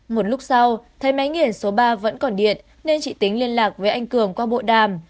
một lúc sau thấy máy nghiền số ba vẫn còn điện nên chị tính liên lạc với anh cường qua bộ đàm